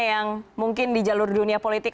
yang mungkin di jalur dunia politik